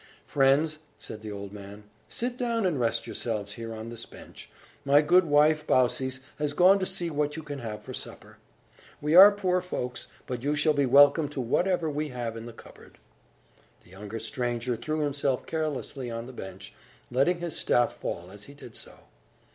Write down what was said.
"Friends," said the old man, "sit down and rest yourselves here on this bench. My good wife Baucis has gone to see what you can have for supper. We are poor folks; but you shall be welcome to whatever we have in the cupboard." The younger stranger threw himself carelessly on the bench, letting his staff fall as he did so.